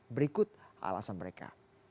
berikut alasan mereka